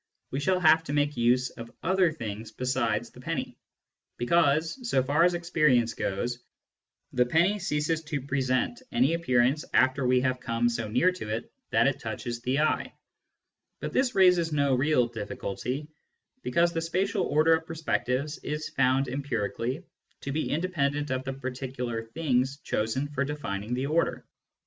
It is true that, in order to prolong our lines until they reach this place, we shall have to make use of other things besides the penny, because, so far as experience goes, the penny ceases to present any appearance after we have come so near to it that it touches the eye. But this raises no real difficulty, because the spatial order of perspectives is found empirically to be independent of the particular " things '* chosen for defining the order.